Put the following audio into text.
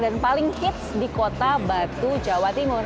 dan paling hits di kota batu jawa timur